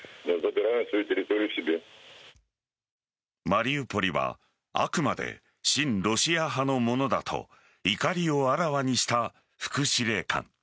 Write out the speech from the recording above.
マリウポリはあくまで親ロシア派のものだと怒りをあらわにした副司令官。